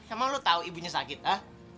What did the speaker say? emang lu tahu ibunya sakit ha